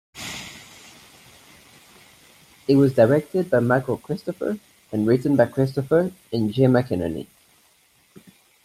It was directed by Michael Cristofer and written by Cristofer and Jay McInerney.